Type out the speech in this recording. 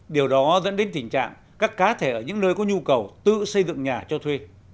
điều đó dẫn đến tình trạng các cá thể ở những nơi có nhu cầu tự xây dựng nhà cho thuê